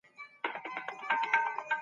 د سبو داغ په جامو کې ښکاري.